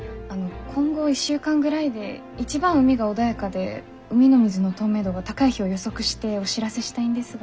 今後１週間ぐらいで一番海が穏やかで海の水の透明度が高い日を予測してお知らせしたいんですが。